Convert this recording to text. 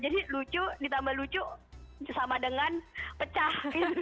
jadi lucu ditambah lucu sama dengan pecah